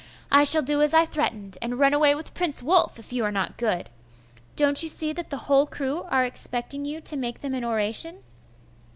I shall do as I threatened, and run away with Prince Wulf, if you are not good. Don't you see that the whole crew are expecting you to make them an oration?